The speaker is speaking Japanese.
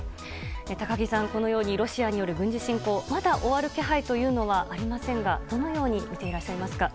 高木さん、このようにロシアによる軍事侵攻まだ終わる気配というのはありませんがどのように見ていらっしゃいますか？